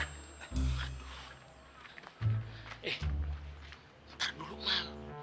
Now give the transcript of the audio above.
eh ntar dulu mal